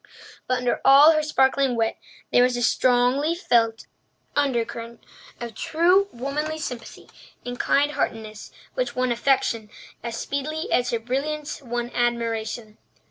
But under all her sparkling wit there was a strongly felt undercurrent of true womanly sympathy and kind heartedness which won affection as speedily as her brilliance won admiration.